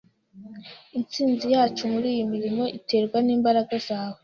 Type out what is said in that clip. Intsinzi yacu muriyi mirimo iterwa nimbaraga zawe.